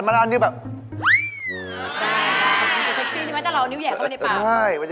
ยังไงได้ยังไงได้